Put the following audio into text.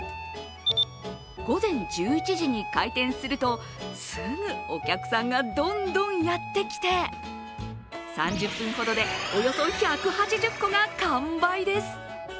午前１１時に開店すると、すぐお客さんがどんどんやってきて、３０分ほどで、およそ１８０個が完売です。